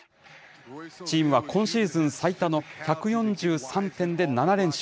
チームは今シーズン最多の１４３点で７連勝。